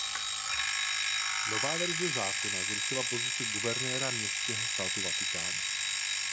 Nová verze zákona zrušila pozici Guvernéra Městského státu Vatikán.